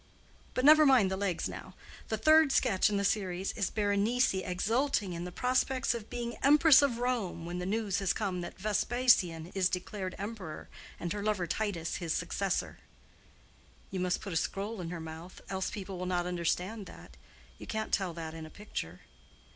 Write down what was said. But never mind the legs now: the third sketch in the series is Berenice exulting in the prospects of being Empress of Rome, when the news has come that Vespasian is declared Emperor and her lover Titus his successor." "You must put a scroll in her mouth, else people will not understand that. You can't tell that in a picture."